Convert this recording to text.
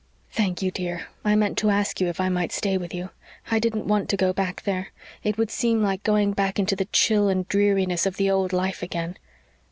"Thank you, dear. I meant to ask you if I might stay with you. I didn't want to go back there it would seem like going back into the chill and dreariness of the old life again.